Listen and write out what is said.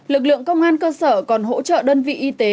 lực lượng công an cơ sở còn hỗ trợ đơn vị y tế